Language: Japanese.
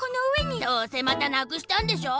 どうせまたなくしたんでしょ？